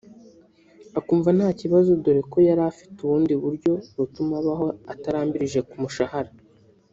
akumva nta kibazo dore ko yari afite ubundi buryo butuma abaho atarambirije ku mushahara